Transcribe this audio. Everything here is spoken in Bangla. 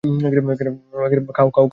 খাও, খাও, খাও।